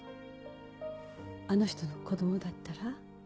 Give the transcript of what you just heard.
あの人の子供だったら？